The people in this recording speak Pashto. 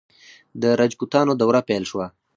د راجپوتانو دوره پیل شوه.